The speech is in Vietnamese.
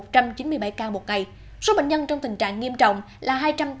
trong chín mươi bảy ca một ngày số bệnh nhân trong tình trạng nghiêm trọng là hai trăm tám mươi